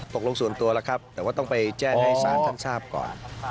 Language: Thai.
ตกลงส่วนตัวแล้วครับแต่ว่าต้องไปแจ้งให้ศาลท่านทราบก่อน